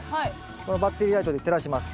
このバッテリーライトで照らします。